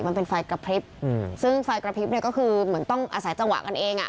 มันเป็นไฟกระพริบอืมซึ่งไฟกระพริบเนี่ยก็คือเหมือนต้องอาศัยจังหวะกันเองอ่ะ